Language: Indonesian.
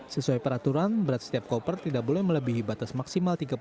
sesuai peraturan berat setiap koper tidak boleh melebihi batas maksimal tiga puluh kg